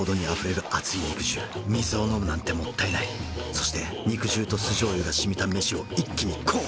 そして肉汁と酢醤油がしみた飯を一気にこう！